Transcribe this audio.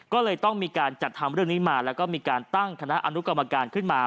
ก็เลยต้องมีการจัดทำเรื่องนี้มาแล้วก็มีการตั้งคณะอนุกรรมการขึ้นมา